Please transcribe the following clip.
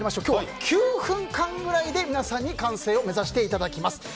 今日は９分間ぐらいで皆さんに完成を目指していただきます。